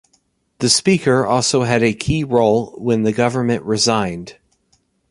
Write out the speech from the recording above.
The speaker also had a key role when the government resigned.